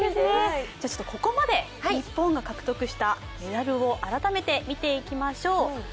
ここまで日本が獲得したメダルを改めて見ていきましょう。